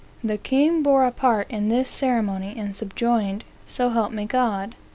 The king bore a part in this ceremony, and subjoined, ' So help me God!